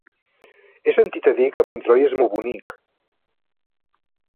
He sentit a dir que Montroi és molt bonic.